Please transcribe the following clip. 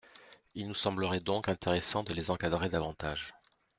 Il nous semblerait donc intéressant de les encadrer davantage.